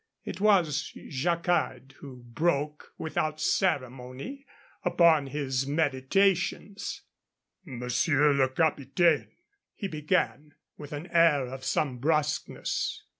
It was Jacquard who broke, without ceremony, upon his meditations. "Monsieur le Capitaine," he began, with an air of some brusqueness.